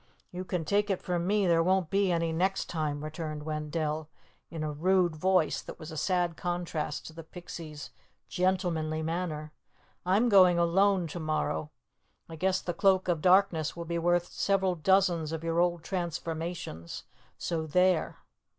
"You can take it from me there won't be any next time," returned Wendell in a rude voice that was a sad contrast to the Pixie's gentlemanly manner. "I'm going alone to morrow. I guess the Cloak of Darkness will be worth several dozens of your old transformations. So there!"